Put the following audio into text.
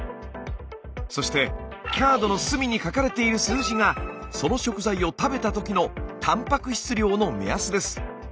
そしてカードの隅に書かれている数字がその食材を食べたときのたんぱく質量の目安です。